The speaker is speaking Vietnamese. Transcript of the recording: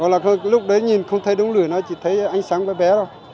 hoặc là lúc đấy nhìn không thấy đúng lửa nó chỉ thấy ánh sáng bé bé thôi